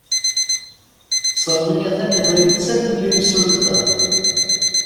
Sami atan la yettalel imsulta.